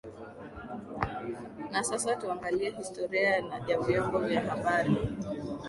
Na sasa tuangalie historia ya Vyombo vya habari